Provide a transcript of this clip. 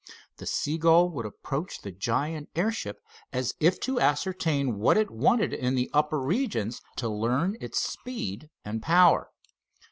The seagull would approach the giant airship as if to ascertain what it wanted in the upper regions, to learn its speed and power.